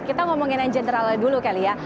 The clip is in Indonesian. kita ngomongin yang generalnya dulu kali ya